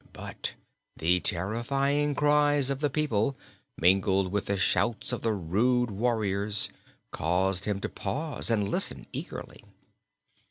But the terrifying cries of the people, mingled with the shouts of the rude warriors, caused him to pause and listen eagerly.